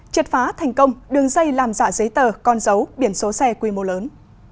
triệt phá thành công đường dây làm dạ giấy tờ con dấu biển số xe quy mô lớn